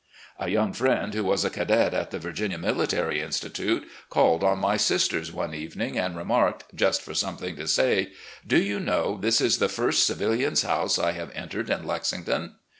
" A young friend who was a cadet at the Virginia Mili tary Institute called on my sisters one evening, and remarked, just for something to say: " Do you know this is the first civilian's house I have entered in Lexington."